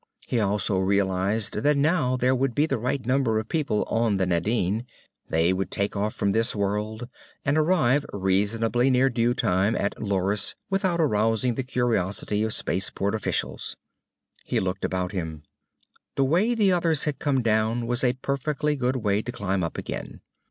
He also realized that now there would be the right number of people on the Nadine; they would take off from this world and arrive reasonably near due time at Loris without arousing the curiosity of space port officials. He looked about him. The way the others had come down was a perfectly good way to climb up again.